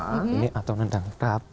ini atau nendang tap